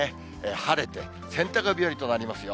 晴れて、洗濯日和となりますよ。